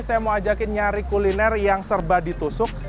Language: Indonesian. saya mau ajakin nyari kuliner yang serba ditusuk